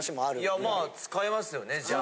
いやまあ使いますよねじゃん。